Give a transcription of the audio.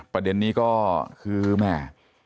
ประเด็นนี้ก็คือแม่